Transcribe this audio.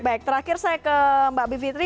baik terakhir saya ke mbak b fitri